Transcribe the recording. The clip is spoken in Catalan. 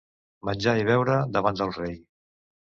Menjar i beure davant del rei.